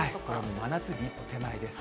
真夏日一歩手前です。